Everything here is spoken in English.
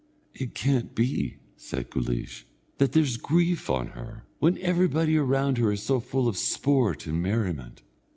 "It can't be," said Guleesh, "that there's grief on her, when everybody round her is so full of sport and merriment."